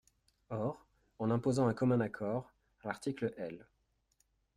Or, en imposant un commun accord, l’article L.